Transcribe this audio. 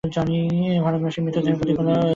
ভারতবাসীদের মৃতদেহের প্রতি কোন দৃষ্টি নাই।